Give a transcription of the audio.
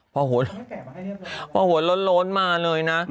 พอหัวโล้นมาเลยนะ